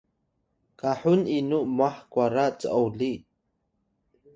kahun inu mwah kwara c’oli